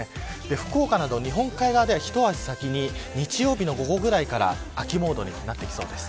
福岡の日本海側では一足先に日曜日の午後くらいから秋モードになってきそうです。